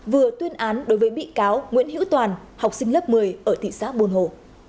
vừa tuyên án đối với bị cáo nguyễn hữu toàn học sinh lớp một mươi ở thị xã buôn hồ